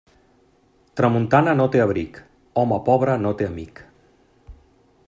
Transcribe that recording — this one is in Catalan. Tramuntana no té abric; home pobre no té amic.